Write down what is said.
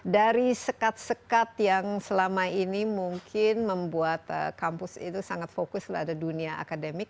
dari sekat sekat yang selama ini mungkin membuat kampus itu sangat fokus pada dunia akademik